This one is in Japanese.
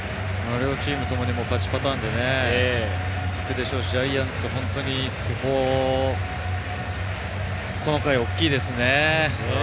両チームとも勝ちパターンで行くでしょうし、ジャイアンツは本当にこの回、大きいですね。